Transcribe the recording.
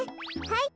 はい。